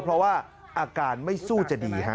เพราะว่าอาการไม่สู้จะดีฮะ